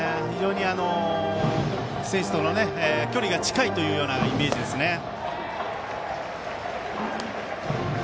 非常に選手との距離が近いというイメージですよね。